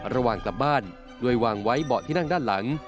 ระหว่างกลับบ้านโดยวางไว้เบาะที่นั่งด้านหลัง